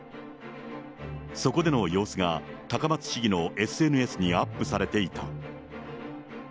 そこでの様子が、高松市議のＳＮＳにアップされていた。